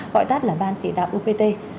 gọi tắt là ban chỉ đạo uvt